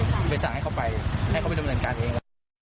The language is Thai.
ก็เลยสั่งให้เขาไปให้เขาไปดำเนินการเอง